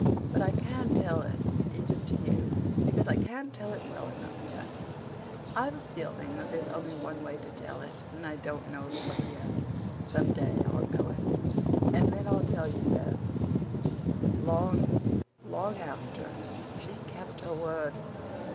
"But I can't tell it even to you because I can't tell it well enough yet. I've a feeling that there's only one way to tell it and I don't know the way yet. Some day I'll know it and then I'll tell you, Bev." Long, long after she kept her word.